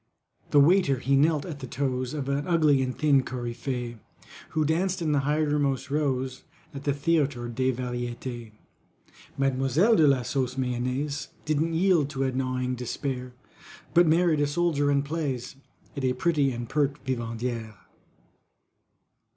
The waiter he knelt at the toes Of an ugly and thin coryphée, Who danced in the hindermost rows At the Théatre des Variétés. MADEMOISELLE DE LA SAUCE MAYONNAISE Didn't yield to a gnawing despair But married a soldier, and plays As a pretty and pert Vivandière.